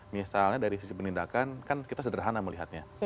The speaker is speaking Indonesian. misalnya dari sisi penindakan kan kita sederhana melihatnya